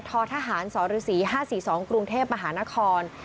ททหารสรศรี๕๔๒กรุงเทพมหานคร